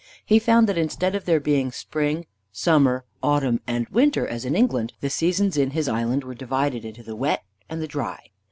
He found that instead of there being spring, summer, autumn, and winter, as in England, the seasons in his island were divided into the wet and the dry.